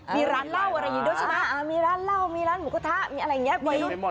มีร้านเหล้าอะไรอยู่ด้วยใช่ไหมมีร้านเหล้ามีร้านหมูกระทะมีอะไรอย่างนี้